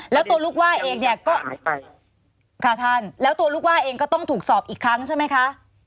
แล้วตัวลูกว่าเองเนี่ยก็หายไปค่ะท่านแล้วตัวลูกว่าเองก็ต้องถูกสอบอีกครั้งใช่ไหมคะ